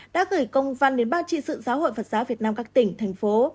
đã gửi công văn đến bác tri sự giáo hội phật giáo việt nam các tỉnh thành phố